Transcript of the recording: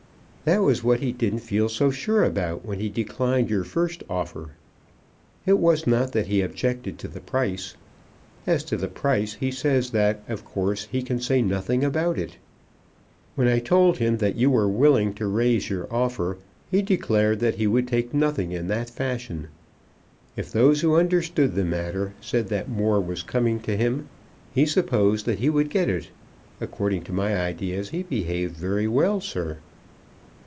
"That was what he didn't feel so sure about when he declined your first offer. It was not that he objected to the price. As to the price he says that of course he can say nothing about it. When I told him that you were willing to raise your offer, he declared that he would take nothing in that fashion. If those who understood the matter said that more was coming to him, he supposed that he would get it. According to my ideas he behaved very well, sir."